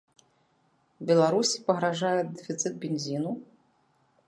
Беларусі пагражае дэфіцыт бензіну?